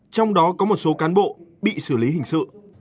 trong đó có một số cán bộ bị xử lý hình sự